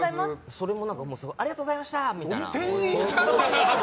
それもありがとうございました！